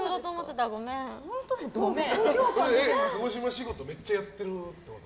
仕事めっちゃやってるってこと？